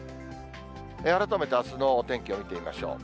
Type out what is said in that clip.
改めてあすのお天気を見てみましょう。